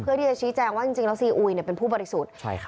เพื่อที่จะชี้แจงว่าจริงจริงแล้วซีอุยเนี้ยเป็นผู้ปฏิสุทธิ์ใช่ค่ะ